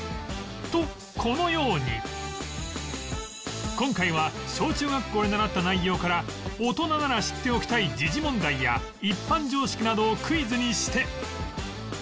とこのように今回は小中学校で習った内容から大人なら知っておきたい時事問題や一般常識などをクイズにして